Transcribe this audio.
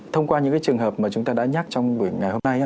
thông qua những trường hợp mà chúng ta đã nhắc trong buổi ngày hôm nay